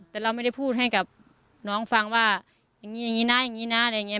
แต่เราไม่ได้พูดให้กับน้องฟังว่าอย่างนี้อย่างนี้นะอย่างนี้นะอะไรอย่างนี้